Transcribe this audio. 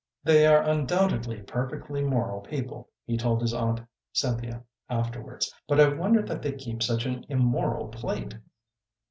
"They are undoubtedly perfectly moral people," he told his aunt Cynthia afterwards, "but I wonder that they keep such an immoral plate."